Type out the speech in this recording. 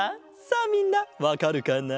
さあみんなわかるかな？